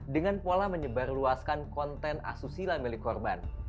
dengan pola menyebarluaskan konten asusila milik korban